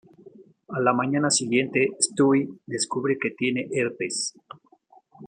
A la mañana siguiente, Stewie descubre que tiene herpes.